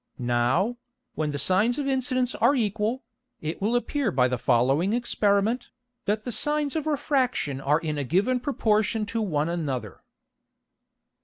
Now, when the Sines of Incidence are equal, it will appear by the following Experiment, that the Sines of Refraction are in a given Proportion to one another.